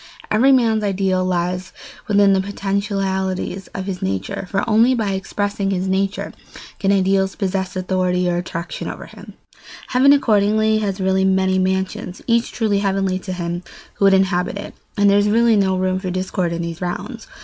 Every man's ideal lies within the potentialities of his nature, for only by expressing his nature can ideals possess authority or attraction over him. Heaven accordingly has really many mansions, each truly heavenly to him who would inhabit it, and there is really no room for discord in those rounds.